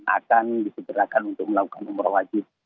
akan disederhakan untuk melakukan umur wajib